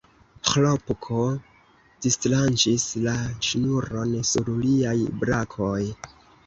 Ĥlopko distranĉis la ŝnuron sur liaj brakoj.